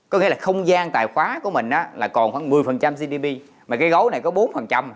có nghĩa là không gian tài khoá của mình đó là còn khoảng một mươi phần trăm gdp mà cái gói này có bốn phần trăm